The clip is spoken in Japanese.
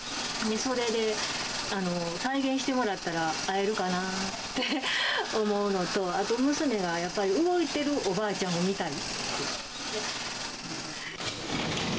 それで、再現してもらったら会えるかなって思うのと、あと、娘がやっぱり動いてるおばあちゃんを見たい。